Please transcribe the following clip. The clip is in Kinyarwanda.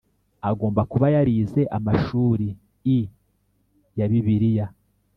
Agomba kuba yarize amashurii ya Bibiliya